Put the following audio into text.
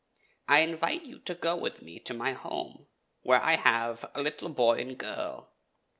I invite you to go with me to my home, where I have a little boy and girl.